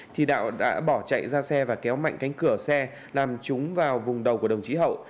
thì đạo đã bỏ chạy ra xe và kéo mạnh cánh cửa xe làm chúng vào vùng đầu của đồng chí hậu